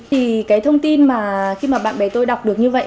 thì cái thông tin mà khi mà bạn bè tôi đọc được như vậy